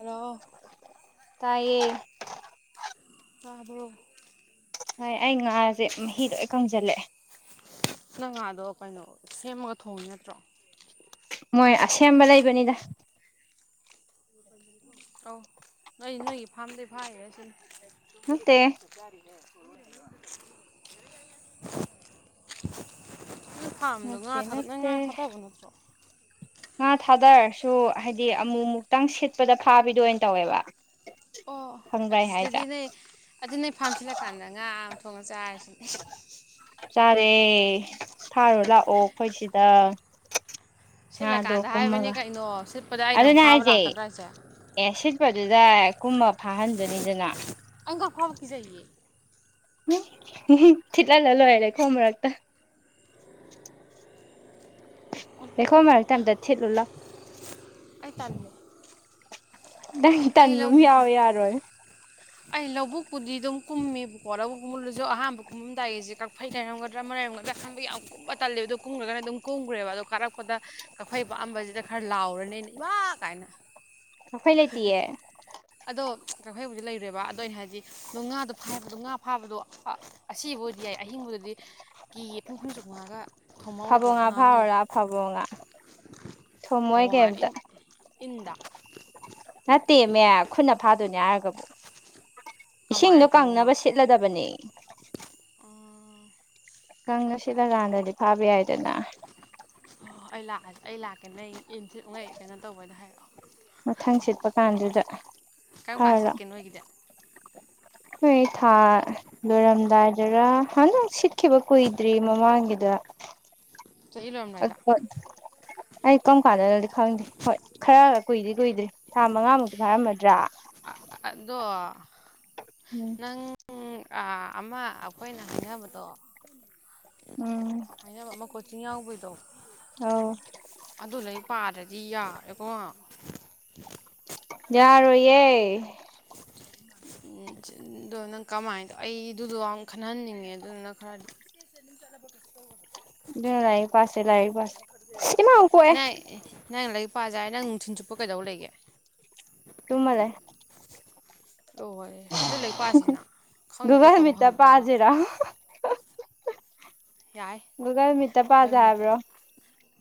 hello ꯇꯥꯏꯌꯦ ꯇꯥꯕ꯭ꯔꯣ ꯍꯣꯏ ꯑꯩ ꯉꯥꯁꯦ ꯃꯍꯤ ꯂꯣꯏ ꯀꯪꯖꯤꯜꯂꯛꯑꯦ ꯅꯪ ꯉꯥꯗꯣ ꯀꯩꯅꯣ ꯁꯦꯝꯃꯒ ꯊꯣꯡꯉꯤ ꯅꯠꯇ꯭ꯔꯣ ꯃꯣꯏ ꯑꯁꯦꯝꯕ ꯂꯩꯕꯅꯤꯗ ꯑꯧ ꯅꯣꯏ ꯅꯣꯏꯒꯤ ꯐꯥꯔꯝꯗꯩ ꯐꯥꯔꯤꯔꯁꯤꯅꯤ ꯅꯠꯇꯦ [unintelligible] ꯅꯣꯏ ꯐꯥꯔꯝꯗꯣ ꯉꯥ ꯅꯠꯇꯦ ꯊꯥꯗ ꯅꯪ ꯅꯠꯇꯦ ꯉꯥ ꯊꯥꯗꯕ ꯅꯠꯇ꯭ꯔꯣ ꯉꯥ ꯊꯥꯗꯔꯁꯨ ꯍꯥꯏꯗꯤ ꯑꯃꯨ ꯃꯨꯛꯇꯪ ꯁꯤꯠꯄꯗ ꯐꯥꯕꯤꯗꯨ ꯑꯣꯏ ꯇꯧꯋꯦꯕ ꯑꯣ ꯈꯪꯕ꯭ꯔꯥ ꯑꯗꯨ ꯑꯩ ꯍꯥꯏꯁꯦ ꯁꯤꯗꯗꯤ ꯅꯣꯏ ꯑꯗꯨ ꯅꯣꯏ ꯐꯥꯝ ꯁꯤꯜꯂꯀꯥꯟꯗ ꯉꯥ ꯑꯝ ꯊꯣꯡꯉ ꯆꯥꯔꯁꯤ ꯆꯥ ꯁꯦ ꯐꯥꯔꯨ ꯂꯥꯛꯑꯣ ꯑꯈꯣꯏ ꯁꯤꯗ ꯉꯥꯗꯣ ꯁꯤꯠꯂꯀꯥꯟꯗ ꯍꯥꯏꯕꯅꯤ ꯀꯨꯝꯃꯒ ꯀꯩꯅꯣ ꯁꯤꯠꯄꯗ ꯑꯩꯅ ꯑꯗꯨꯅꯦ ꯑꯃꯨꯛ ꯐꯥꯕ ꯍꯥꯏꯁꯦ ꯂꯥꯛꯀꯗ꯭ꯔꯣ ꯍꯥꯏꯁꯦ ꯑꯦ ꯁꯤꯠꯄꯗꯨꯗꯥꯏ ꯀꯨꯝꯃ ꯊꯥꯍꯟꯕꯅꯤꯗꯅ ꯑꯩ ꯉꯥ ꯐꯥꯕ ꯀꯤꯖꯩꯌꯦ ꯊꯠꯂ ꯂꯂꯣꯏꯔꯦ ꯈꯣ ꯃꯔꯥꯛꯛꯇ ꯈꯣ ꯃ ꯊꯗ ꯊꯠꯂꯣ ꯂ ꯍꯥꯏ ꯇꯜꯃꯦ ꯅꯪ ꯇꯟꯕ ꯑꯃ ꯌꯥꯎꯋ ꯌꯥꯔꯣꯏ ꯑꯩ ꯂꯧꯕꯨꯛꯄꯨꯗꯤ ꯑꯗꯨꯝ ꯀꯨꯝꯃꯦꯕꯀꯣ ꯂꯧꯕꯨꯛ ꯀꯨꯝꯃꯜꯂꯁꯨ ꯑꯍꯥꯟꯕ ꯀꯨꯝꯃꯝꯗꯥꯏꯁꯦ ꯀꯛꯐꯩ ꯂꯩꯔꯝꯒꯗ꯭ꯔꯥ ꯑꯃ ꯂꯩꯔꯝꯒꯗ꯭ꯔꯥ ꯑꯍꯥꯟꯕ ꯌꯥꯝ ꯀꯨꯝꯕ ꯇꯜꯂꯦꯕ ꯑꯗꯨꯗꯣ ꯀꯨꯝꯈ꯭ꯔꯒꯅ ꯑꯗꯨꯝ ꯀꯨꯝꯈ꯭ꯔꯦꯕ ꯑꯗꯣ ꯀꯥꯔꯛꯄꯗ ꯀꯛꯐꯩ ꯄꯥꯑꯝꯕꯁꯤꯗ ꯈꯔ ꯂꯥꯎꯔꯅꯦꯅ ꯏꯃꯥ ꯀꯥꯏꯅ ꯈꯩ ꯂꯩꯇꯦ ꯀꯐ ꯍꯩꯕꯨꯗꯤ ꯂꯩ ꯇꯨꯔꯦꯕ ꯑꯗꯣ ꯑꯩꯅ ꯍꯥꯏꯗꯤ ꯉꯥꯗꯣ ꯐꯥꯕꯗꯣ ꯉꯥ ꯐꯥꯕꯗꯣ ꯑꯁꯤꯕꯨ ꯑꯣꯏꯔꯗꯤ ꯌꯥꯏ ꯑꯍꯤꯡꯕꯗꯗꯤ ꯀꯤ ꯄꯨꯡꯐꯨꯟ ꯆꯨꯉꯥꯒ ꯐꯥꯕꯣ ꯉꯥ ꯐꯥꯎꯔꯔꯥ ꯐꯥꯕꯣ ꯉꯥ ꯊꯣꯃꯣꯏ ꯀꯩꯝꯇ ꯏꯗ ꯅꯠꯇꯦꯃꯦ ꯈꯨꯅ ꯐꯥꯗꯣꯏꯅꯦ ꯍꯥꯏꯔꯒꯕꯨ ꯀꯃꯥꯏꯅ ꯏꯁꯤꯡꯗ ꯐꯕꯣꯉꯥ ꯀꯪꯅꯕ ꯁꯤꯠꯂꯗꯕꯅꯤ ꯀꯪꯁꯤꯗꯀꯥꯟꯗꯗꯤ ꯐꯥꯕ ꯌꯥꯏꯗꯅ ꯑꯣ ꯑꯩ ꯂꯥꯛꯑꯁꯦ ꯑꯩ ꯂꯥꯛꯀꯦꯅꯦ ꯑꯩ ꯏꯟꯁꯤꯤꯠꯉꯩ ꯀꯩꯅꯣ ꯇꯧꯕꯗ ꯍꯥꯏꯔꯛꯑꯣ ꯃꯊꯪ ꯁꯤꯠꯄ ꯀꯥꯟꯗꯨꯗ ꯀꯔꯝ ꯀꯥꯟ ꯐꯔꯣ ꯁꯤꯠꯀꯦ ꯅꯣꯏꯒꯤꯗꯤ ꯍꯣꯏ ꯊꯥ ꯂꯣꯏꯔꯝꯗꯥꯏꯗꯔ ꯍꯟꯗꯛ ꯁꯤꯠꯈꯤꯕ ꯀꯨꯏꯗ꯭ꯔꯤ ꯃꯃꯥꯡꯒꯤꯗ ꯆꯍꯤ ꯂꯣꯏꯔꯝꯗꯥꯏꯗ ꯑꯩ ꯀꯔꯝ ꯀꯥꯟꯗꯅꯗꯤ ꯈꯪꯗꯦ ꯍꯣꯏ ꯈꯔ ꯀꯨꯏꯗꯦ ꯀꯨꯏꯗꯦ ꯊꯥ ꯃꯉꯥꯃꯨꯛꯇꯤ ꯐꯥꯔꯝꯃꯗ꯭ꯔꯥ ꯗꯣ ꯎꯝ ꯅꯪ ꯑꯃ ꯑꯩꯈꯣꯏꯅ ꯍꯥꯏꯅꯕꯗꯣ ꯎꯝ ꯑ ꯀꯣꯆꯤꯤꯡꯥꯎ ꯆꯥꯎ ꯑꯧ ꯑ ꯑꯗꯨꯅ ꯄꯥꯔꯗꯤ ꯌꯥ ꯑꯩꯀꯣ ꯌꯥꯔꯣꯏꯌꯦꯦ ꯑꯗꯨꯣ ꯅꯪ ꯀꯃꯥꯏꯅꯗ ꯑꯩꯗꯨꯗꯣ ꯌꯥꯝ ꯈꯟꯍꯟꯅꯤꯡꯉꯦ ꯑꯗꯨꯅ ꯈꯔꯗꯤ ꯂꯥꯏꯛ ꯄꯁꯦ ꯂꯥꯏꯛ ꯄꯁ ꯏꯃ ꯑ ꯀꯦ ꯄꯖꯦ ꯍꯥꯏ ꯅꯪ ꯅꯨꯡꯊꯤꯟ ꯆꯨꯞꯄ ꯀꯩꯗꯧ ꯂꯩꯒꯦ ꯁꯨꯃ ꯂꯩ ꯑꯣꯍꯣꯏ ꯑꯗꯨ ꯂꯩ ꯄꯁꯤꯅ ꯈꯪꯅ ꯒꯨꯒꯜ ꯈꯣꯠꯇꯕ ꯃꯤꯠꯇ ꯍꯪꯅꯔꯒ ꯄꯥꯁꯤꯔꯣ ꯌꯥꯏ ꯒꯨꯒꯜꯃꯤꯠꯇ ꯄꯥꯖ ꯒꯃꯤꯠꯇ ꯍꯥꯏꯕ꯭ꯔꯣ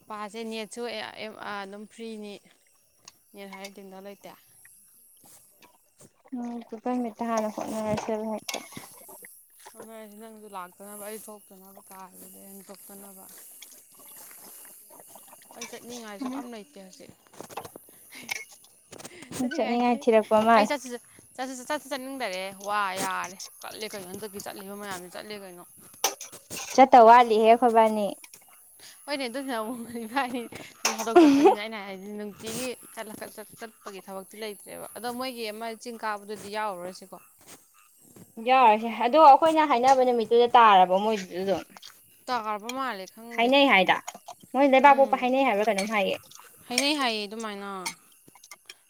ꯄꯥꯁꯦ ꯅꯦꯠꯁꯨ ꯑꯦ ꯑ ꯑꯦꯝ ꯑ ꯐ꯭ꯔꯤꯅꯤ ꯅꯦꯠ ꯍꯥꯏꯔ ꯇꯤꯡꯗꯣ ꯂꯩꯇꯦ ꯎꯝ [unintelligible] ꯇꯥꯔ ꯍꯣꯠꯅꯔꯁꯦ [unintelligible] [inaudible] [unintelligible] ꯅꯪꯁꯨ ꯂꯥꯛꯇꯅꯕ ꯑꯩ ꯊꯣꯛꯇꯅꯕ ꯀꯥꯗꯒꯤ [unintelligible] ꯊꯣꯛꯇꯅꯕ ꯑꯩ ꯆꯠꯅꯤꯡꯉꯥꯏꯁꯨ ꯑꯝ ꯂꯩꯇꯦ ꯍꯧꯖꯤꯛ ꯆꯠꯅꯤꯡꯉꯥꯏ ꯊꯤꯔꯛꯄ ꯃꯥꯜꯂꯦ [unintelligible] ꯆꯠꯅꯤꯡꯗꯔꯦ ꯋꯥ ꯌꯥꯔꯦ ꯀꯠꯂꯦ ꯀꯩꯅꯣ ꯍꯟꯗꯛꯇꯤ ꯆꯠꯂꯤꯕ ꯃꯌꯥꯝꯁ ꯆꯠꯂꯦ ꯀꯩꯅꯣ ꯆꯠꯇ ꯋꯥꯠꯂꯤꯍꯦ ꯑꯈꯣꯏꯕꯥꯅꯤ ꯍꯣꯏꯅꯦ ꯑꯗꯨ [unintelligible] ꯅꯣꯡ ꯐꯥꯗꯣꯛ ꯆꯠꯄꯅꯤꯅ ꯑꯩꯅ ꯍꯥꯏꯗꯤ ꯒꯤ [unintelligible] ꯄꯒꯤ ꯊꯕꯛꯇꯤ ꯂꯩꯇ꯭ꯔꯦꯕ ꯑꯗꯣ ꯃꯣꯏꯒꯤ ꯑꯃ ꯆꯤꯡ ꯀꯥꯕꯗꯨꯗꯤ ꯌꯥꯎꯔꯨꯔꯁꯤꯀꯣ ꯌꯥꯔꯁꯦ ꯑꯗꯣ ꯑꯩꯈꯣꯏꯅ ꯍꯥꯏꯅꯕ ꯅꯨꯃꯤꯠꯇꯨꯗ ꯇꯥꯔ ꯄꯣ ꯃꯣꯢꯗꯨ ꯑꯗꯨꯗꯨ ꯕ ꯃꯥꯜꯂꯦ ꯈꯪꯗꯦ ꯃꯣꯏ ꯂꯩꯕꯥꯛ ꯎꯝ ꯄꯣꯛꯄ ꯍꯥꯏꯅꯩ ꯍꯥꯏꯕꯥ ꯀꯩꯅꯣꯝ ꯍꯥꯏꯌꯦ ꯍꯥꯏꯅꯩ ꯍꯥꯏꯌꯦ ꯑꯗꯨꯃꯥꯏꯅ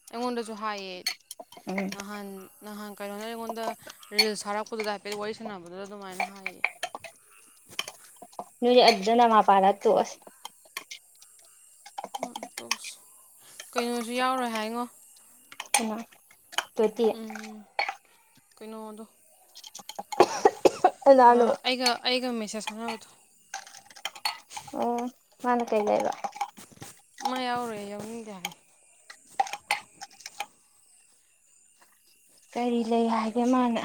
ꯑꯩꯉꯣꯟꯗꯁꯨ ꯍꯥꯏꯌꯦ ꯎꯝ ꯅꯍꯥꯟ ꯅꯍꯥꯟ ꯀꯩꯅꯣꯅ ꯌꯉꯣꯟꯗ ꯔꯤꯜꯁ ꯊꯥꯔ ꯈꯨꯗ ꯍꯥꯏꯐꯦꯠ ꯋꯥꯔꯤ ꯁꯥꯟꯅꯕꯗꯨꯗ ꯑꯗꯨꯃꯥꯏꯅ ꯍꯥꯏꯌꯦ ꯅꯣꯢꯗꯤ ꯑꯗꯨꯗ ꯅꯃꯥ ꯄꯜꯂ ꯇꯣ ꯇꯣꯛꯁꯤ ꯀꯩꯅꯣꯁꯨ ꯌꯥꯎꯔꯣꯏ ꯍꯥꯏꯉꯣ ꯀꯅꯥ ꯎꯝ [unintelligible] ꯀꯩꯅꯣꯗꯣ ꯑ ꯀꯅꯥꯅꯣ ꯑꯩꯒ ꯑꯩꯒ ꯃ [unintelligible] ꯑꯣ ꯃꯥꯅ ꯀꯩ ꯂꯩꯕ ꯃꯥ ꯌꯥꯎꯔꯣꯢ ꯌꯥꯎꯅꯤꯡꯗꯦ ꯍꯥꯏ ꯀꯔꯤ ꯂꯩ ꯍꯥꯏꯒꯦ ꯃꯥꯅ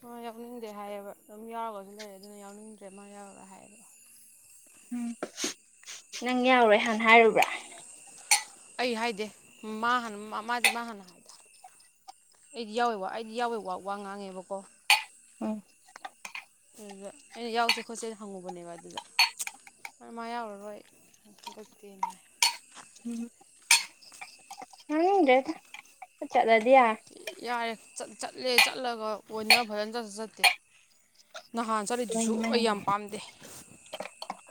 ꯃꯥ ꯌꯥꯎꯅꯤꯡꯗꯦ ꯍꯥꯏꯌꯦꯕ ꯑꯗꯨꯝ ꯌꯥꯎꯔꯒꯁꯨ ꯂꯩꯔꯦ ꯑꯗꯨꯅ ꯌꯥꯎꯅꯤꯡꯗ꯭ꯔꯦ ꯃꯥ ꯌꯥꯎꯔꯦ ꯍꯥꯏꯌꯦꯕ ꯎꯝ ꯅꯪ ꯌꯥꯎꯔꯣꯏ ꯍꯥꯟꯅ ꯍꯥꯏꯨꯔꯕ꯭ꯔꯥ ꯑꯩ ꯍꯥꯏꯗꯦ ꯃꯥ ꯍꯥꯟꯅ ꯃꯥꯗꯤ ꯃꯥ ꯍꯥꯟꯅ ꯑꯩꯗꯤ ꯌꯥꯎꯋꯦ ꯋꯥ ꯑꯩꯗꯤ ꯌꯥꯎꯋꯦ ꯋꯥ ꯋꯥ ꯉꯥꯡꯉꯦꯕꯀꯣ ꯎꯝ ꯑꯗꯨꯗ ꯑꯩꯅ ꯌꯥꯎꯁꯦ ꯈꯣꯠꯆꯦꯅ ꯍꯪꯉꯨꯕꯅꯦꯕ ꯑꯗꯨꯗꯣꯏ ꯃꯥ ꯌꯥꯎꯔꯔꯣꯏ [unintelligible] ꯍꯥꯏ ꯎꯝ [unintelligible] ꯌꯥꯔꯦ ꯆꯠ ꯆꯠꯂꯦ ꯆꯠꯂꯒ ꯑꯣꯏꯅ ꯐꯖꯅ ꯆꯠꯁꯨ ꯆꯠꯇꯦ ꯅꯍꯥꯟ ꯆꯠꯂꯤꯗꯨꯁꯨ ꯑꯩ ꯂꯩꯃꯟꯒ꯭ꯔꯦ ꯌꯥꯝ ꯄꯥꯝꯗꯦ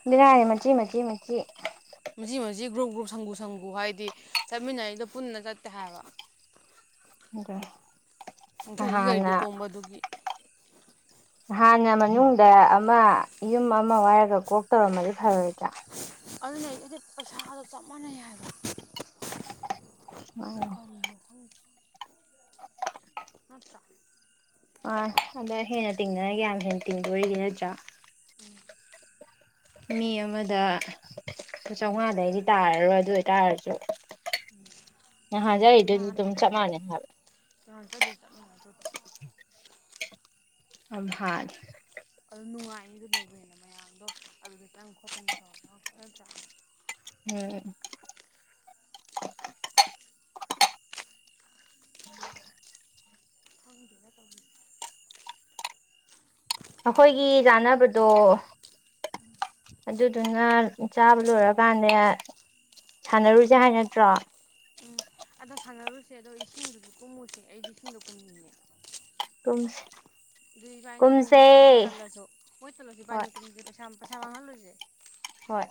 [unintelligible] ꯃꯆꯤ ꯃꯆꯤ ꯃꯆꯤ ꯃꯆꯤ ꯃꯆꯤ ꯒ꯭ꯔꯨꯞ ꯒ꯭ꯔꯨꯞ ꯁꯪꯒꯨ ꯁꯪꯒꯨ ꯍꯥꯏꯗꯤ ꯆꯠꯃꯤꯟꯅꯔꯤꯗ ꯄꯨꯟꯅ ꯆꯠꯇꯦ ꯍꯥꯏꯕ ꯑ ꯍ ꯒꯥꯔꯤ ꯒꯥꯔꯤꯗ ꯍꯥꯟꯅ ꯇꯣꯡꯕ ꯑꯗꯨꯒꯤ ꯍꯥꯟꯅ ꯃꯅꯨꯡꯗ ꯑꯃ ꯌꯨꯝ ꯑꯃ ꯋꯥꯏꯔꯒ ꯀꯣꯛ ꯇꯧꯔꯝꯃꯒꯦ ꯐꯔꯣꯏꯒ ꯑꯗꯨꯅꯦ ꯑꯩꯗꯤ ꯄꯩꯁꯥꯗꯣ ꯆꯞ ꯃꯥꯟꯅꯩ ꯍꯥꯏꯕ ꯎꯝ ꯍꯇꯥ ꯑ ꯑꯗ ꯍꯦꯟꯅ ꯇꯤꯡꯅꯅꯒ ꯌꯥꯝ ꯍꯦꯟꯅ ꯇꯤꯡꯗꯣꯔꯤꯗꯤ ꯅꯠꯇ꯭ꯔꯥ ꯃꯤ ꯑꯃꯗ ꯆꯥꯝꯃꯉꯥꯗꯩꯗꯤ ꯇꯥꯔꯔꯣꯏ ꯑꯗꯨ ꯑꯣꯏꯇꯥꯔꯁꯨ ꯉꯍꯖ ꯑꯗꯨꯗꯤ ꯅꯍꯥꯟ ꯑꯗꯨꯝ ꯆꯞ ꯃꯥꯟꯅꯩ ꯍꯥꯏꯕ ꯅꯍꯥꯟ ꯆꯠꯂꯤ ꯆꯞ ꯃꯥꯟꯅꯗ꯭ꯔꯣ ꯑꯍꯥ ꯅꯨꯡꯉꯥꯏꯅꯤ ꯑꯗꯨꯅꯧꯕꯦꯅ ꯃꯌꯥꯝꯗꯣ ꯑꯗꯨꯗ ꯈꯤꯇꯪ ꯈꯣꯠꯇꯅ ꯇꯧꯔ ꯆ ꯎꯝ ꯊꯪꯗꯗ ꯇ ꯑꯩꯈꯣꯏꯒꯤ ꯆꯥꯅꯕꯗꯣ ꯑꯗꯨꯗꯨꯅ ꯆꯥꯕ ꯂꯣꯏꯔꯀꯥꯟꯗ ꯁꯥꯟꯅꯔꯨꯁꯦ ꯍꯥꯏ ꯅꯠꯇ꯭ꯔꯣ ꯎꯝ ꯑꯗꯣ ꯁꯥꯟꯅꯔꯨꯁꯦ ꯑꯗꯣ ꯏꯁꯤꯡꯗꯨꯁꯨ ꯀꯨꯝꯃꯨꯁꯦ ꯑꯩꯁ ꯏꯁꯤꯡꯗꯣ ꯀꯨꯝꯃꯤꯅꯦ ꯀꯨꯝꯁꯦ ꯑꯗꯨꯏ ꯏꯕꯥꯅꯤ ꯀꯨꯝꯁꯦ ꯍ ꯇꯜꯂꯁꯨ ꯍ ꯇꯠꯂꯁꯨ ꯏꯕꯥꯅꯤ ꯍꯣꯏ ꯀꯨꯝꯁꯤ ꯄꯩꯁꯥꯩ ꯊꯦꯕꯉꯥ ꯂꯣꯏꯁꯦ ꯍꯣꯏꯔꯦ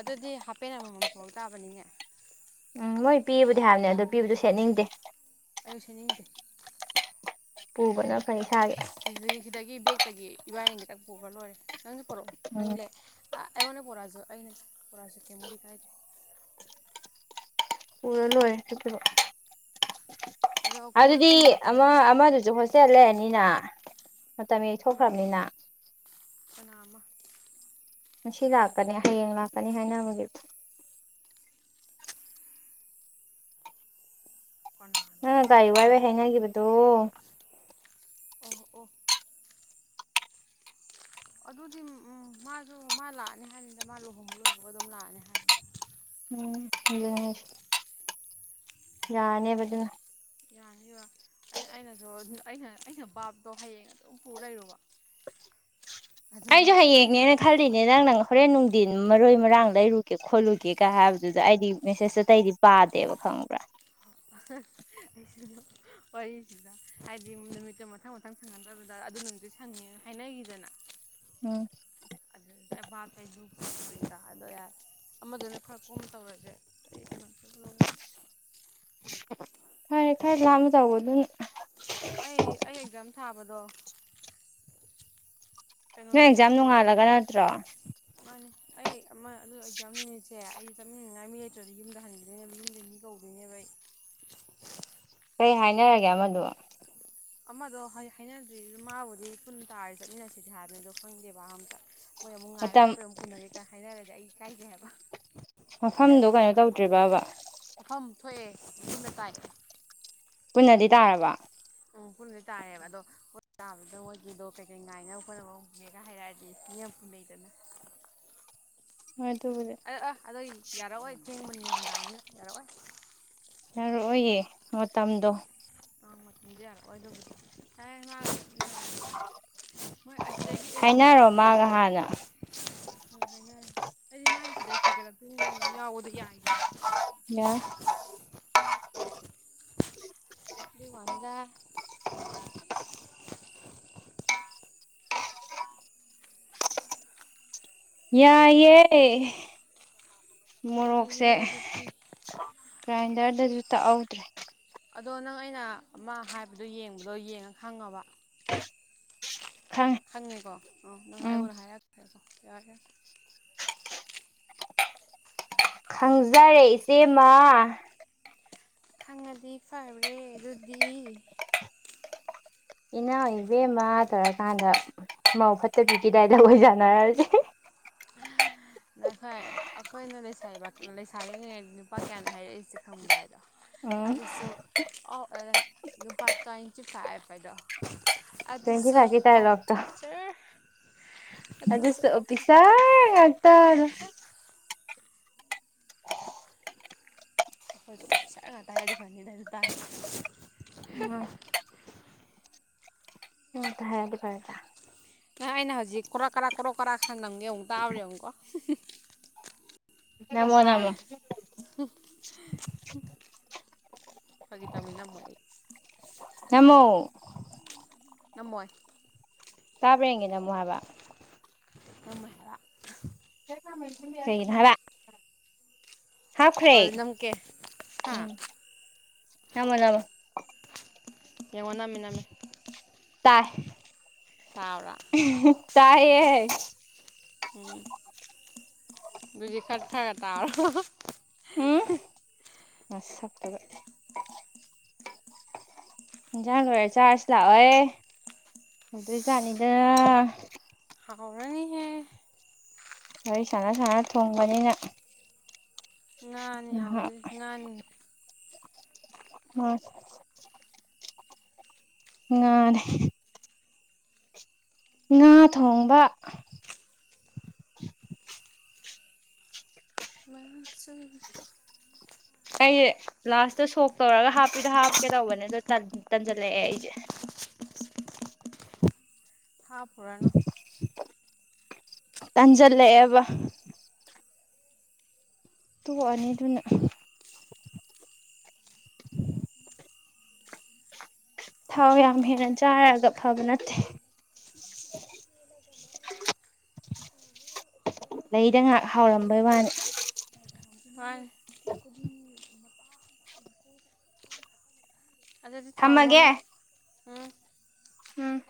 ꯑꯗꯨꯗꯤ ꯍꯥꯄꯦꯟ ꯑꯃꯃꯝ ꯐꯥꯎ ꯇꯥꯕꯅꯤꯅꯦ ꯎꯝ ꯃꯣꯏ ꯄꯤꯕꯗꯤ ꯍꯥꯏꯕꯅꯦ ꯑꯣ ꯄꯤꯕꯗꯤ ꯁꯦꯠꯅꯤꯡꯗꯦ ꯑꯩꯨ ꯁꯅꯤꯡꯗꯤ ꯄꯨꯕꯅ ꯐꯩ ꯏꯁꯥꯒꯤ ꯑꯁ ꯍꯗꯒꯤꯕꯦꯛ ꯇꯒꯤ ꯏꯕꯥꯏꯅꯤꯒꯤꯇꯛ ꯄꯨꯔ ꯂꯣꯏꯔꯦ ꯅꯪꯁꯨ ꯍꯔꯣ ꯎꯝ ꯅꯪꯂꯦ ꯑꯩꯉꯣꯟꯗ ꯄꯣꯔꯥꯁꯨ ꯑꯩꯅ ꯄꯣꯔꯥꯁꯨ ꯀꯦꯝꯃꯨꯗꯤ ꯀꯥꯏꯗꯦ ꯎꯔ ꯂꯣꯏ ꯊꯔ ꯑꯗꯣ ꯃꯣꯏ ꯑꯗꯨꯗꯤ ꯀꯨꯝꯕ ꯑꯃ ꯇꯜꯂꯦ ꯑꯃꯗꯨꯁꯨ ꯍꯣꯁꯇꯦꯜ ꯂꯩꯔꯅꯤꯅ ꯃꯇꯝ ꯌꯊꯈ꯭ꯔꯕꯅꯤꯅ ꯑꯅꯥꯃ ꯃꯁꯤ ꯂꯥꯛꯀꯅꯤ ꯍꯌꯦꯡ ꯂꯥꯛꯀꯅꯤ ꯍꯥꯏꯅꯕꯒꯤ ꯑꯪ ꯀꯅꯥꯅꯣꯃ ꯒꯥꯔꯤ ꯋꯥꯏꯕ ꯍꯌꯦꯡ ꯂꯥꯛꯀꯅꯤ ꯍꯥꯏꯅꯈꯤꯕꯗꯨꯣ ꯑꯣ ꯑꯣ ꯑꯗꯨꯗꯤ ꯎꯝ ꯃꯥꯁꯨ ꯃꯥ ꯂꯥꯛꯑꯅꯤ ꯍꯥꯏꯔꯤꯅꯤꯗ ꯃꯥ ꯂꯨꯍꯣꯡꯕ ꯂꯣꯏꯕ ꯑꯗꯨꯝ ꯂꯥꯛꯑꯅꯤ ꯍꯥꯏꯔꯤꯅꯤ ꯎꯝ ꯎ ꯌꯥꯅꯦꯕꯗꯨꯅ ꯌꯥꯅꯤ ꯑꯩꯅ ꯑꯩꯅꯁꯨ ꯑꯩꯅ ꯑꯩꯅ ꯕꯥꯥꯞꯗꯣ ꯍꯌꯦꯡ ꯑꯗꯨꯝ ꯄꯨ ꯂꯩꯔꯨꯕ ꯑꯗꯨꯒ ꯑꯩꯁꯨ ꯍꯌꯦꯡꯅꯦꯅ ꯈꯜꯂꯤꯅꯦ ꯅꯪ ꯅꯪ ꯍꯣꯔꯦꯟ ꯅꯨꯡ ꯗꯤ ꯃꯔꯣꯏ ꯃꯔꯥꯡ ꯂꯩꯔꯨꯒꯦ ꯈꯣꯠꯂꯨꯒꯦꯒ ꯍꯥꯏꯕꯗꯨꯗ ꯑꯩꯗꯤ ꯃꯦꯁꯦꯁꯇ ꯑꯇꯩꯗꯤ ꯄꯥꯗꯦꯕ ꯈꯪꯕ꯭ꯔꯥ ꯑꯩ ꯋꯥꯔꯤꯁꯤꯗ ꯍꯥꯏꯗꯤ ꯅꯨꯃꯤꯠꯇꯣ ꯃꯊꯪ ꯃꯊꯪ ꯁꯪꯍꯟꯗꯕꯗ ꯑꯗꯨ ꯅꯨꯃꯤꯠꯇꯨ ꯁꯪꯉꯦ ꯍꯥꯏꯅꯈꯤꯗꯅ ꯎꯝ ꯕꯥ ꯌ ꯗ ꯍꯥꯏꯗꯣ ꯌꯥꯔꯦ ꯑꯃꯗꯨꯅ ꯈꯔ ꯀꯣꯡꯅ ꯇꯧꯔꯁꯦ ꯑꯩꯃ ꯈꯔꯦ ꯈꯔꯦ ꯂꯃ ꯇꯧꯕ ꯑꯗꯨ ꯑꯩ ꯑꯩ ꯑꯦꯛꯖꯥꯝ ꯊꯥꯕꯗ ꯗꯣ ꯅꯣꯏꯁ ꯌꯥꯝ ꯅꯣꯡꯉꯥꯜꯂꯒ ꯅꯠꯇ꯭ꯔꯣ ꯃꯥꯅꯦ ꯑꯩ ꯑꯗꯨ ꯑꯣꯏꯖꯝꯃꯤꯉꯁꯦ ꯑꯩ ꯆꯠꯃꯤꯟꯅꯉꯥꯏ ꯃꯤ ꯂꯩꯇ꯭ꯔꯗꯤ ꯌꯨꯝꯗ ꯍꯟꯈꯤꯗꯣꯏꯅꯦꯕ ꯌꯨꯝꯗ ꯃꯤ ꯀꯧꯗꯣꯏꯅꯦꯕ ꯀꯩ ꯍꯥꯏꯅꯔꯒꯦ ꯑꯃꯗꯣ ꯑꯃꯗꯣ ꯍꯥꯏꯅꯗ꯭ꯔꯤ ꯃꯥꯕꯨꯗꯤ ꯄꯨꯟ ꯇꯥꯔ ꯆꯠꯃꯤꯟꯅꯁꯤꯁꯦ ꯍꯥꯏꯕꯅꯤ ꯑꯗꯣ ꯈꯪꯗꯦꯕ ꯑꯝꯇ ꯃꯣꯏ ꯑꯃꯨꯛ ꯉꯥꯏꯌ ꯃꯇꯝ ꯈꯣꯠꯄꯣ ꯑꯃꯨ ꯄꯨꯅꯒꯦ ꯀꯥꯏ ꯍꯥꯏꯅꯔꯒ ꯑꯩ ꯀꯥꯏꯒꯦ ꯍꯥꯏꯕ ꯃꯐꯝꯗꯨꯣ ꯀꯩꯅꯣ ꯇꯧꯗ꯭ꯦꯔꯤꯕꯕ ꯃꯐꯝ ꯊꯣꯛꯑꯦ ꯑꯗꯨꯕ ꯇꯥꯏ ꯄꯨꯟꯅꯗꯤ ꯇꯥꯔꯕ ꯐꯨꯟꯗꯤ ꯇꯥꯔꯦꯕ ꯑꯗꯣ ꯇꯥꯕꯗ ꯃꯣꯏꯒꯤꯗꯣ ꯀꯩꯀꯩ ꯉꯥꯏꯅꯕ ꯍꯣꯠꯅꯕ ꯎꯒꯦꯒ ꯍꯥꯏꯔꯔꯗꯤ ꯏ ꯌꯥꯝ ꯐꯨ ꯂꯩꯩꯗꯅ ꯍꯣꯏ ꯑꯗꯨꯕꯨꯗꯤ ꯑ ꯑ ꯑꯗꯨꯣ ꯌꯥꯔꯛꯑꯣꯏ ꯄꯨꯡ ꯃ ꯃꯤꯗꯥꯡꯅꯤꯅ ꯌꯥꯔꯥꯏ ꯌꯥꯔꯛꯑꯣꯌꯦ ꯃꯇꯝꯗꯣ ꯑꯉꯥꯡ ꯃꯇꯝꯗꯤ ꯌꯥꯔꯑꯣꯏꯗꯣꯏꯅꯦ ꯍꯥꯏ ꯉꯉꯥꯡ ꯍꯥꯏꯅꯔꯣ ꯑꯦꯔꯤꯁꯥ ꯀꯩꯅꯣ ꯃꯥꯒ ꯍꯥꯟꯅ ꯀꯩ ꯍꯥꯏꯅꯔꯦ ꯑꯩꯗꯤ ꯃꯥꯗꯤ ꯁꯤꯗꯩ ꯍꯥꯏꯒꯠꯂꯛꯇꯣꯏꯅꯤ ꯅꯪ ꯌꯥꯎꯕꯗꯣ ꯌꯥꯏꯒꯦ ꯑ [unintelligible] ꯀꯚꯗ ꯌꯥꯏꯦ ꯃꯣꯔꯣꯛꯁꯦ ꯌꯥꯏꯌꯦ ꯑꯗꯨꯗꯤ ꯒ꯭ꯔꯥꯏꯟꯗꯔꯗꯁꯨ ꯇ ꯍꯥꯎꯗ꯭ꯔꯔꯤ ꯑꯗꯣ ꯅꯪ ꯑꯩꯅ ꯑꯃ ꯍꯥꯏꯕꯗꯣ ꯌꯦꯡꯕꯗꯣ ꯌꯦꯡꯉ ꯈꯪꯉꯕ ꯈꯪꯉꯦ ꯍꯪꯉꯤꯀꯣ ꯑꯣ ꯅ ꯎꯝ ꯑꯩꯉꯣꯟꯗ ꯍꯥꯏꯔꯛꯈ꯭ꯔꯦꯀꯣ ꯌꯥꯒꯦ ꯈꯪꯖꯔꯦ ꯏꯆꯦꯃ ꯈꯪꯉꯗꯤ ꯐꯕ꯭ꯔꯦ ꯑꯗꯨꯗꯤ ꯏꯅꯥꯎ ꯏꯕꯦꯝꯃ ꯇꯧꯔꯀꯥꯟꯗ ꯃꯧ ꯐꯠꯇꯕꯤꯈꯤꯗꯥꯏꯗ ꯑꯣꯏꯣꯏꯖꯥꯟꯅꯔꯔꯁꯦ ꯣꯏ ꯑꯩꯈꯣꯏꯅ ꯂꯩꯁꯥꯕꯤꯉꯉꯩ ꯅꯨꯄꯥ ꯀꯌꯥꯅꯣ ꯍꯥꯏꯔꯛꯏꯁꯦ ꯈꯪꯕ꯭ꯔꯥ ꯍꯥꯏꯗꯣ ꯎꯝ ꯑꯗꯨꯁꯨ ꯂꯨꯄꯥ ꯇ꯭ꯋꯦꯟꯇꯤ ꯐꯥꯏꯕ ꯍꯥꯏꯗꯣ ꯇ꯭ꯋꯦꯟꯇꯤ ꯑꯗꯨꯁꯨ ꯐꯥꯏꯚꯀꯤ ꯗꯥꯏꯂꯣꯛꯇꯣ ꯑꯣꯐꯤꯁꯔ ꯑꯗꯨꯗꯁꯨ ꯑꯗꯨꯁꯨ ꯑꯣꯐꯤꯁꯦ ꯑꯣꯐꯤꯁꯥꯔ ꯉꯥꯛꯇꯅ ꯉꯇ ꯑꯩꯈꯣꯏ ꯆ ꯇꯗꯤ ꯐꯅꯤꯗ ꯑꯗꯨ ꯇꯥ ꯎꯝ ꯑꯝꯇ ꯍꯥꯏꯔꯗꯤ ꯐꯔꯗ ꯑꯩꯅ ꯍꯧꯖꯤꯛ ꯀꯣꯔꯣꯛ ꯀꯔꯥ ꯀꯣꯔꯣꯛ ꯀꯔꯥ ꯈꯟ ꯑꯃ ꯌꯦꯡꯉꯨꯛ ꯇꯥꯕ꯭ꯔ ꯌꯦꯡꯨꯛꯀꯣ ꯅꯃꯣ ꯅꯃꯣ ꯐꯒꯤ ꯇꯃꯤꯅ ꯃꯣꯏ ꯅꯃꯣ ꯅꯃꯣꯏ ꯇꯥꯕ ꯌꯦꯒꯦꯅꯃꯨ ꯍꯥꯏꯕ ꯃ ꯍ ꯅꯔ ꯍꯥꯥꯎ ꯐ꯭ꯔꯦ ꯍꯣꯏ ꯑꯗꯨ ꯅꯝꯀꯦ ꯎꯝ ꯍꯥ ꯑꯃꯅꯥꯃ ꯋꯥ ꯃꯃꯦ ꯑ ꯇꯥꯏꯌꯦꯦ ꯖꯤ ꯈꯠ ꯊꯥꯛ ꯑꯦꯇꯥ ꯑꯣ ꯁꯖ ꯂꯔ ꯆꯥꯔꯖ ꯂꯥꯛꯑꯣꯣꯏ ꯑꯗꯨꯗꯣꯏꯖꯥꯅꯤꯗ ꯍꯥꯛꯧꯅꯤꯍꯦꯛ ꯑꯩꯣꯏ ꯁꯥꯟꯅ ꯁꯥꯟꯅ ꯊꯣꯡꯕꯅꯤꯅ ꯉꯅꯤ ꯍꯥꯎꯗꯣꯏ ꯉꯥꯏꯍꯥꯛ ꯉꯅꯤ ꯑꯣꯏ ꯑꯦ ꯉꯥ ꯊꯣꯡꯕ ꯆ ꯑꯩꯁꯦ ꯂꯥꯁꯇ ꯁꯣꯛ ꯇꯧꯔꯒ ꯍꯥꯞꯄꯤꯗ ꯍꯥꯞꯀꯦ ꯇꯧꯕꯅꯦ ꯑꯗꯣ ꯇꯟꯁꯤꯜꯂꯛꯑꯦ ꯑꯩꯁꯦ ꯍꯥꯥ ꯄꯨꯔꯨꯔꯥꯅꯣ ꯇꯥꯟꯁꯤꯜꯂꯛꯑꯦꯕ ꯇꯨꯡ ꯑꯅꯤꯗꯨꯅ ꯊꯥꯎ ꯌꯥꯝ ꯍꯦꯟꯅ ꯆꯥꯔꯛꯒ ꯐꯕ ꯅꯠꯇꯦ ꯂꯩꯗ ꯉꯥꯏꯍꯥꯛ ꯍꯥꯎꯔꯝꯕꯩ ꯋꯥꯅꯤ ꯍ ꯑꯗꯨꯗꯤ ꯊꯥꯎ ꯊꯝꯃꯒꯦ ꯃꯅꯦ ꯎꯝ ꯎꯝ